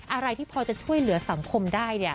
อะไรที่พอจะช่วยเหลือสังคมได้เนี่ย